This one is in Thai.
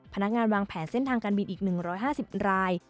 และการบริการผู้โดยสาร๑๒๗๕ราย